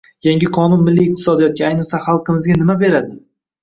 Yangi qonun milliy iqtisodiyotga, ayniqsa, xalqimizga nima beradi?